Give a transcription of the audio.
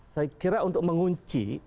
saya kira untuk mengunci